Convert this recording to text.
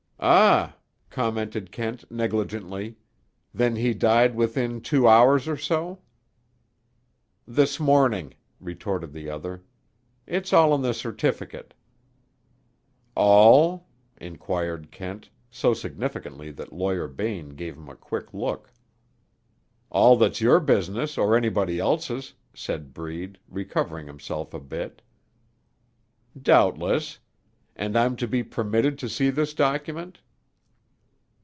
"Ah," commented Kent negligently. "Then he died within two hours or so?" "This morning," retorted the other. "It's all in the certificate." "All?" inquired Kent, so significantly that Lawyer Bain gave him a quick look. "All that's your business or anybody else's," said Breed, recovering himself a bit. "Doubtless. And I'm to be permitted to see this document?"